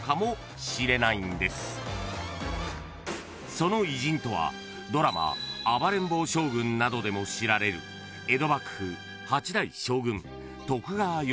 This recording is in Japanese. ［その偉人とはドラマ『暴れん坊将軍』などでも知られる江戸幕府］